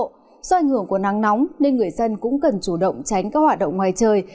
do ảnh hưởng của nắng nóng nên người dân cũng cần chủ động tránh các hoạt động ngoài trời